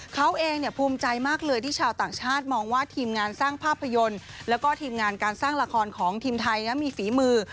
เขาเองภูมิใจมากเลยที่ชาวต่างชาติมองว่าทีมงานสร้างภาพยนตร์แล้วก็ทีมงานการสร้างละครของทีมไทยมีฝีมือ